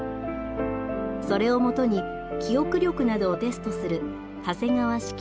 それを基に記憶力などをテストする長谷川式